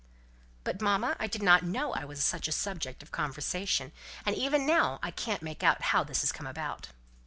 "But, mamma, I didn't know I was such a subject of conversation; and even now I can't make out how it has come about."